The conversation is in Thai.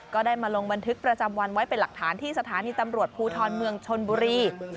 ก็ได้มาลงบันทึกประจำวันไว้เป็นหลักฐานที่สถานีตำรวจภูทรเมืองชนบุรี